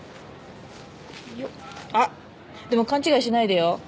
あっでも勘違いしないでよ。